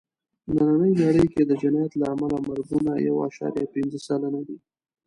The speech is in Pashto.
نننۍ نړۍ کې د جنایت له امله مرګونه یو عشاریه پینځه سلنه دي.